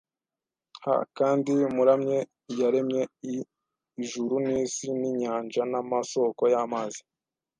h kandi muramye iyaremye i ijuru n isi n inyanja n amasoko y amazi